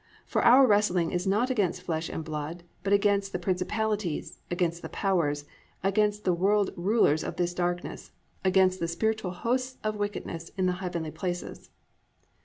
(12) For our wrestling is not against flesh and blood, but against the principalities, against the powers, against the world rulers of this darkness, against the spiritual hosts of wickedness in the heavenly places."